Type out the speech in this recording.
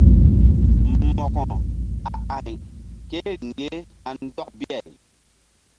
Mo̧ko a a̧y ke riŋ ye na ndɔk bi-ay.